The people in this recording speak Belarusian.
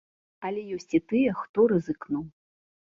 Але ёсць і тыя, хто рызыкнуў.